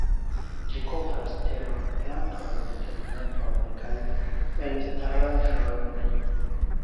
Ĝi kovras teron, plantojn, tegmentojn kaj elstaraĵojn.